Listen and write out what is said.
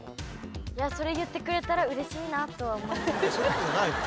それ言ってくれたら嬉しいなとは思います。